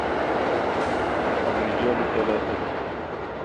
الرِّجَالُ ثَلَاثَةٌ